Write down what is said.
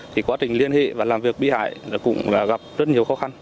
thì quá trình liên hệ và làm việc bị hại cũng gặp rất nhiều khó khăn